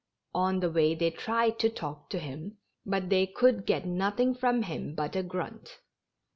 On the way they tried to talk to him, but they could get nothing from him but a grunt.